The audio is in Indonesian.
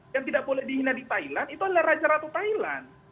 yang tidak boleh dihina di thailand itu adalah raja ratu thailand